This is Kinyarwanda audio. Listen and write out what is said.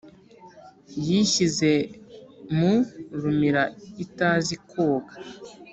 Yishyize mu rumira itazi kwoga,